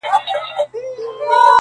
که نڅا وي خو زه هم سم نڅېدلای؛